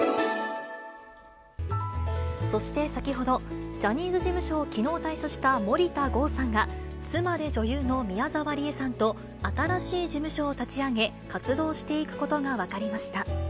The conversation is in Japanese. そして先ほど、ジャニーズ事務所をきのう退所した森田剛さんが、妻で女優の宮沢りえさんと新しい事務所を立ち上げ、活動していくことが分かりました。